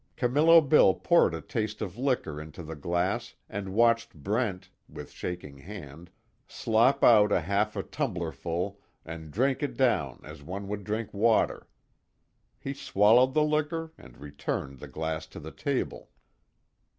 Camillo Bill poured a taste of liquor into the glass and watched Brent, with shaking hand, slop out a half a tumblerful, and drink it down as one would drink water. He swallowed the liquor and returned the glass to the table.